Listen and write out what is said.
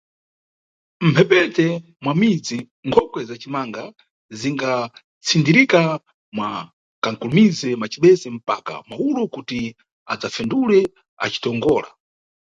Mphepete mwa midzi nkhokwe za cimanga zingatsindirika mwa ka mkulumize macibese mpaka mawulo kuti adzafendule acitongola.